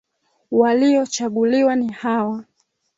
Waliochaguliwa ni hawa.